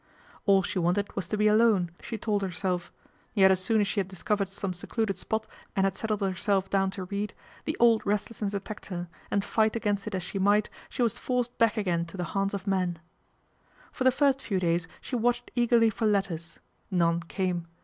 All she wanted was to be alone, she told her self ; yet as soon as she had discovered some secluded spot and had settled herself down to read, the old restlessness attacked her, and fight against it as she might, she was forced back again to the haunts of men. For the first few days she watched eagerly for letters. None came.